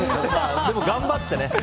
でも頑張ってね。